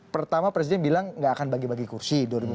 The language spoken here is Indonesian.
pertama presiden bilang gak akan bagi bagi kursi dua ribu dua puluh